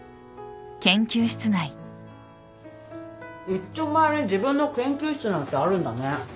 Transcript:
いっちょ前に自分の研究室なんてあるんだね。